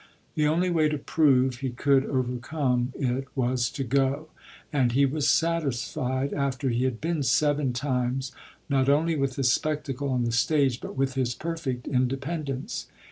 The only way to prove he could overcome it was to go; and he was satisfied, after he had been seven times, not only with the spectacle on the stage but with his perfect independence.